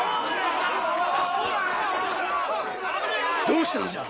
どうしたのじゃ！